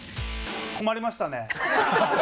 「困りましたね」？